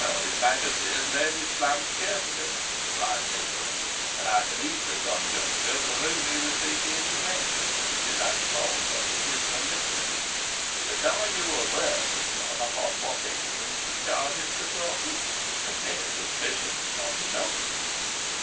"His Majesty has laid his plans carefully," replied Nicholas, "and I can easily conjecture from whom he received the information, which is as false as it is malicious. But are you aware, Sir John, upon what evidence the charge is supported for mere suspicion is not enough?"